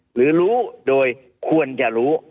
หรือรู้โดยควรจะรู้